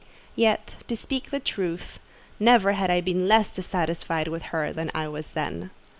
Yet, to speak the truth, never had I been less dissatisfied with her than I was then.